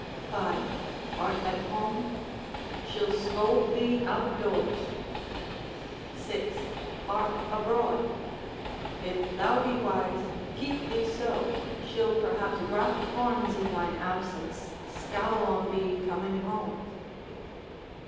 —5. Art at home? she'll scold thee out of doors.—6. Art abroad? If thou be wise keep thee so, she'll perhaps graft horns in thine absence, scowl on thee coming home.